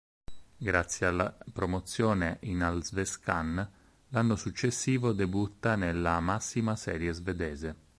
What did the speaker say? Grazie alla promozione in Allsvenskan, l'anno successivo debutta nella massima serie svedese.